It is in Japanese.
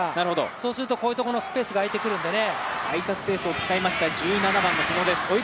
そうするとこういうところのスペース空いてくるんでね。